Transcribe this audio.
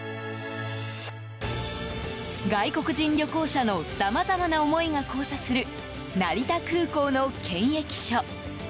外国人旅行者のさまざまな思いが交差する成田空港の検疫所。